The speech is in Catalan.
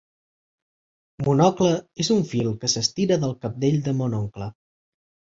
Monocle és un fil que s'estira del cabdell de Mon oncle.